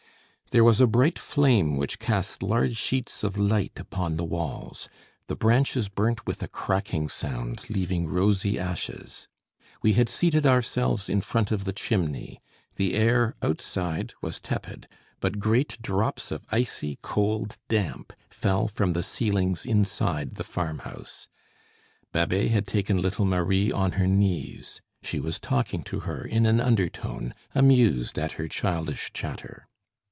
There was a bright flame which cast large sheets of light upon the walls. The branches burnt with a cracking sound, leaving rosy ashes. We had seated ourselves in front of the chimney; the air, outside, was tepid; but great drops of icy cold damp fell from the ceilings inside the farmhouse. Babet had taken little Marie on her knees; she was talking to her in an undertone, amused at her childish chatter.